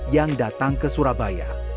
yang datang ke surabaya